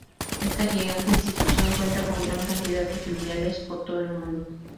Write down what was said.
Esta gigante institución cuenta con gran cantidad de filiales por todo el mundo.